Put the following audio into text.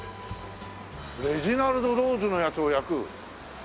レジナルド・ローズのやつをやる作で。